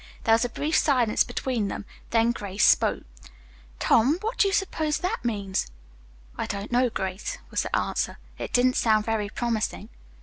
There was a brief silence between them, then Grace spoke. "Tom, what do you suppose that means?" "I don't know, Grace," was the answer. "It didn't sound very promising."